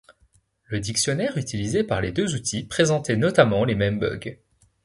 Le dictionnaire utilisé par les deux outils présentait notamment les mêmes bugs.